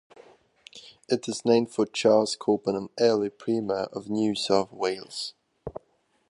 It is named for Charles Cowper, an early Premier of New South Wales.